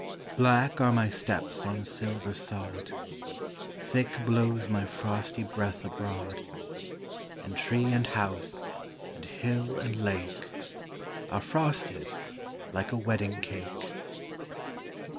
Black are my steps on silver sod; Thick blows my frosty breath abroad; And tree and house, and hill and lake, Are frosted like a wedding cake.